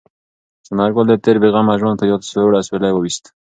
ثمر ګل د تېر بې غمه ژوند په یاد سوړ اسویلی ویوست.